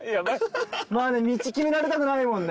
道決められたくないもんね。